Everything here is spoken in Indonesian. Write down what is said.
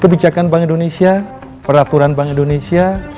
kebijakan bank indonesia peraturan bank indonesia